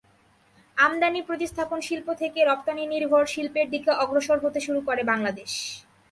আমদানি প্রতিস্থাপন শিল্প থেকে রপ্তানিনির্ভর শিল্পের দিকে অগ্রসর হতে শুরু করে বাংলাদেশ।